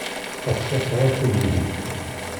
Ass-a sɛiɣ timlilit.